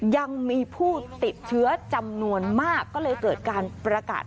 ยังมีผู้ติดเชื้อจำนวนมากก็เลยเกิดการประกาศ